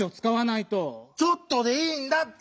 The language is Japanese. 「ちょっと」でいいんだって！